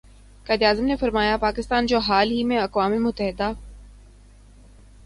قائد اعظم نے فرمایا پاکستان جو حال ہی میں اقوام متحدہ